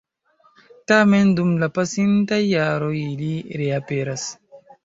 Tamen, dum la pasintaj jaroj ili reaperas.